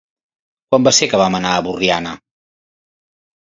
Quan va ser que vam anar a Borriana?